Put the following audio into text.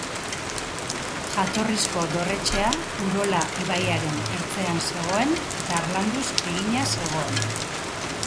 Jatorrizko dorretxea Urola ibaiaren ertzean zegoen eta harlanduz egina zegoen.